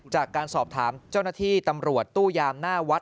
จากการสอบถามเจ้าหน้าที่ตำรวจตู้ยามหน้าวัด